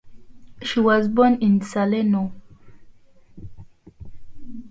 She was born in Salerno.